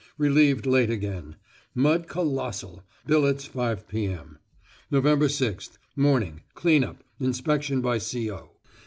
Relieved late again. Mud colossal. Billets 5.0 p.m. Nov. 6th. Morning. Cleaning up. Inspection by C.O.